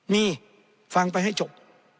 มีฟังไปให้จบ